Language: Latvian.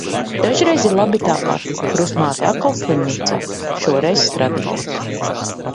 Dažreiz ir labi tāpat. Krustmāte atkal slimnīcā. Šoreiz Stradiņos.